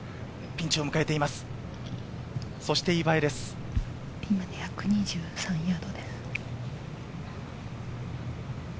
ピンまで１２３ヤード。